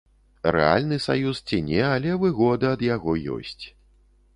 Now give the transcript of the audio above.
Рэальны саюз ці не, але выгода ад яго ёсць.